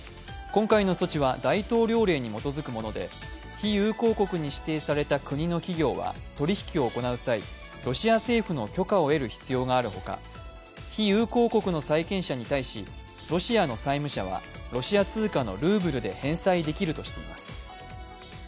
今回の措置は大統領令に基づくもので、非友好国に指定された国の企業は、取引を行う際ロシア政府の許可を得る必要があるほか非友好国の債権者に対し、ロシアの債務者はロシア通貨のルーブルで返済できるとしています。